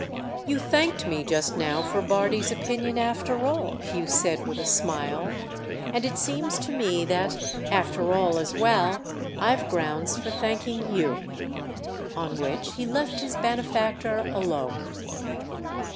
"You thanked me just now for Bardi's opinion after all," Hugh said with a smile; "and it seems to me that—after all as well—I've grounds for thanking you!" On which he left his benefactor alone.